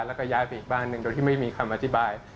แล้วก็ย้ายไปอีกบ้านหนึ่งโดยที่ไม่มีคำอธิบาย